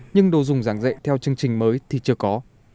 nhưng đồ dùng giảng dạy theo chương trình mới thì chưa có